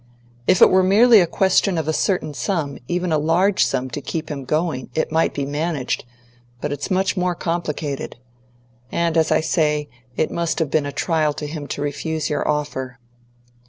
If it were merely a question of a certain sum even a large sum to keep him going, it might be managed; but it's much more complicated. And, as I say, it must have been a trial to him to refuse your offer."